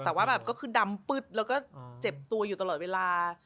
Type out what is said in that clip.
แต่ว่าแบบก็คือดำปึ๊ดแล้วก็เจ็บตัวอยู่ตลอดเวลา